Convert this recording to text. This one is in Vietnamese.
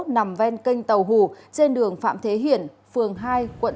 nằm ven kênh tàu hù trên đường phạm thế hiển phường hai quận tám